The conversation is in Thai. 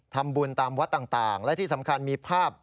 ตามวัดต่างและที่สำคัญมีภาพ